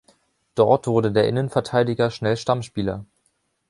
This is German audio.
Dort wurde der Innenverteidiger schnell Stammspieler.